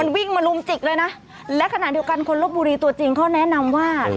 วิ่งมาลุมจิกเลยนะและขณะเดียวกันคนลบบุรีตัวจริงเขาแนะนำว่า